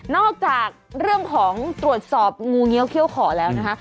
จากเรื่องของตรวจสอบงูเงี้ยวเขี้ยวขอแล้วนะคะ